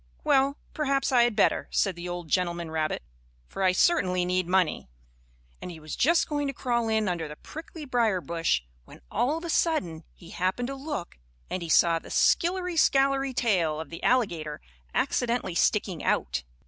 "Well, perhaps I had better," said the old gentleman rabbit, "for I certainly need money." And he was just going to crawl in under the prickly briar bush when all of a sudden he happened to look, and he saw the skillery scallery tail of the alligator accidentally sticking out.